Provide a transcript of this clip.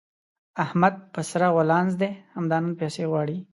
احمد په سره غولانځ دی؛ همدا نن پيسې غواړي.